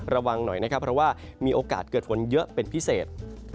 ระวังหน่อยนะครับเพราะว่ามีโอกาสเกิดฝนเยอะเป็นพิเศษ